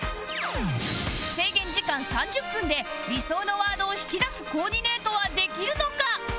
制限時間３０分で理想のワードを引き出すコーディネートはできるのか？